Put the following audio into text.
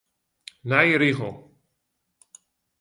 Nije rigel.